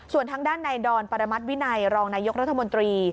ส่วนทางด้านในดอนปรมัติวินัยรองนายกรัฐมนตรี